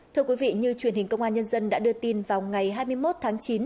thưa quý vị như truyền hình công an nhân dân đã đưa tin vào ngày hai mươi một tháng chín